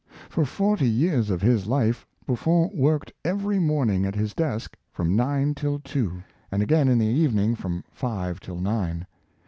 For forty years of his life, Buffon worked every morning at his desk from nine till two, and again in the evening from five till nine.